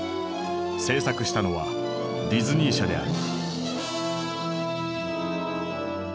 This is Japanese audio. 制作したのはディズニー社である。